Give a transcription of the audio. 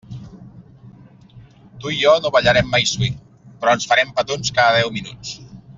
Tu i jo no ballarem mai swing, però ens farem petons cada deu minuts.